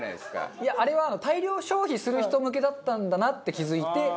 いやあれは大量消費する人向けだったんだなって気付いて。